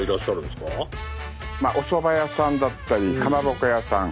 おそば屋さんだったりかまぼこ屋さん